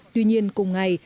tuy nhiên cùng ngày